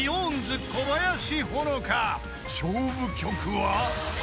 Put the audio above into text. ［勝負曲は］